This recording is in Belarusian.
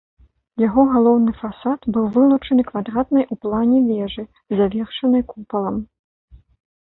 Яго галоўны фасад быў вылучаны квадратнай у плане вежай, завершанай купалам.